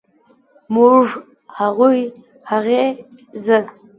زموږ، هغوی ، هغې ،زه